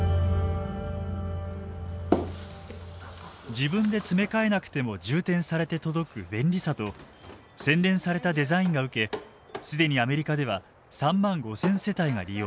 自分で詰め替えなくても充填されて届く便利さと洗練されたデザインが受け既にアメリカでは３万５，０００世帯が利用。